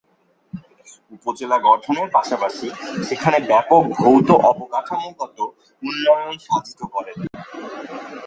উপজেলা গঠনের পাশাপাশি সেখানে ব্যাপক ভৌত অবকাঠামোগত উন্নয়ন সাধিত করেন।